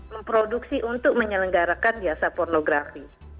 memproduksi untuk menyelenggarakan biasa pornografi